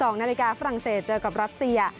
๒นาฬิกาฝรั่งเศสเจอกับรัสเซีย